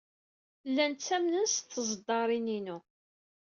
Llan ttamnen s teẓdarin-inu.